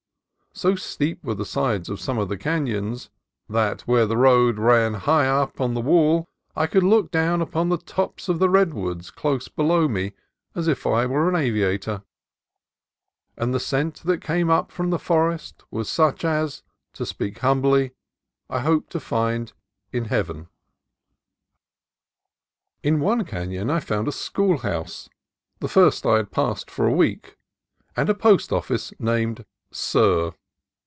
So steep were the sides of some of the canons that where the road ran high up on the wall, I could look down upon the tops of the red woods close below me as if I were an aviator; and the scent that came up from the forest was such as (to speak it humbly) I hope to find in heaven. 212 CALIFORNIA COAST TRAILS In one canon I found a school house, the first I had passed for a week, and a post office named Sur.